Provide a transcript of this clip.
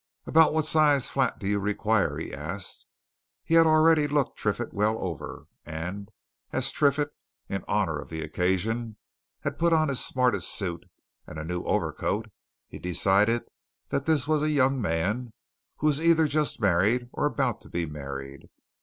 "About what sized flat do you require?" he asked. He had already looked Triffitt well over, and as Triffitt, in honour of the occasion, had put on his smartest suit and a new overcoat, he decided that this was a young man who was either just married or about to be married.